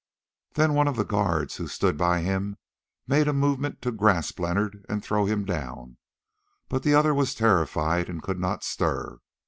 Then one of the guards who stood by him made a movement to grasp Leonard and throw him down, but the other was terrified and could not stir.